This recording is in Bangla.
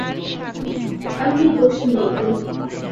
আমি কোনো পোষ্য নই, বন্দী।